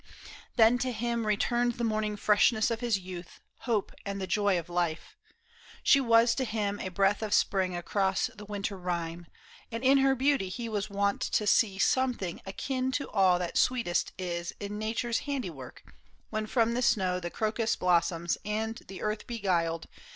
Then to him Returned the morning freshness of his youth, Hope and the joy of life. She was to him A breath of spring across the winter rime, And in her beauty he was wont to see Something akin to all that sweetest is In Nature's handiwork, when from the snow The crocus blossoms, and the earth, beguiled.